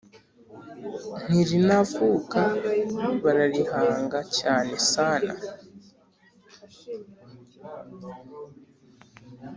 ntirinavuka bararihanga cyane sana